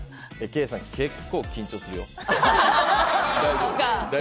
ケイさん、結構緊張するよ？